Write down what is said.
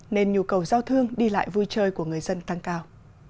nên nhu cầu giao thương đi lại vui chơi của người dân tăng cao